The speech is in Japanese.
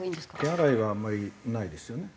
手洗いはあんまりないですよね。